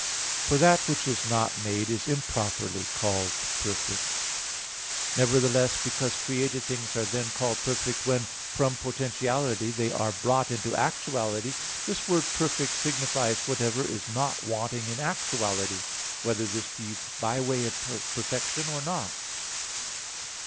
For that which is not made is improperly called perfect. Nevertheless because created things are then called perfect, when from potentiality they are brought into actuality, this word "perfect" signifies whatever is not wanting in actuality, whether this be by way of perfection or not.